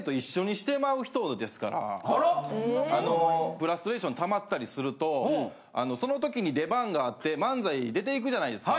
フラストレーションたまってたりするとあのその時に出番があって漫才出て行くじゃないですか。